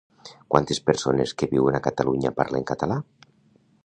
Quantes persones que viuen a Catalunya parlen català?